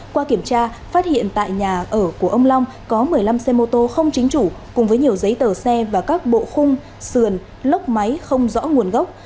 qua kiểm tra phát hiện tại nhà ở của ông long có một mươi năm xe mô tô không chính chủ cùng với nhiều giấy tờ xe và các bộ khung sườn lốc máy không rõ nguồn gốc